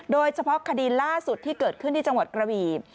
โดยเฉพาะคดีล่าสุดที่เกิดขึ้นที่จังหวัดกระบี